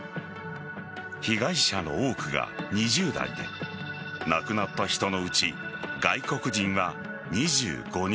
被害者の多くが２０代で亡くなった人のうち外国人は２５人。